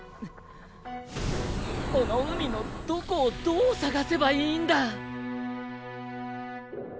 この海のどこをどう捜せばいいんだ！